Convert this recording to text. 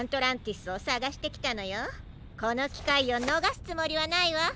このきかいをのがすつもりはないわ。